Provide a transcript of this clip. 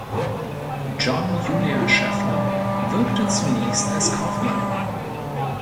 John Julia Scheffler wirkte zunächst als Kaufmann.